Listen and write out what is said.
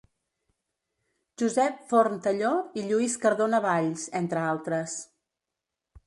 Josep Forn Talló i Lluís Cardona Valls, entre altres.